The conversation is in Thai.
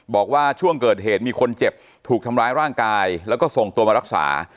บอกว่าช่วงเกิดเหตุมีคนเจ็บถูกทำร้ายร่างกายแล้วก็ส่งตัวมารักษา